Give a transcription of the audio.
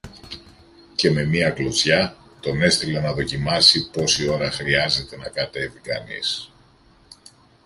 και με μια κλωτσιά τον έστειλε να δοκιμάσει πόση ώρα χρειάζεται να κατέβει κανείς